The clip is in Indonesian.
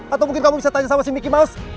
atau mungkin kamu bisa tanya sama si mickey mouse